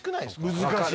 難しい！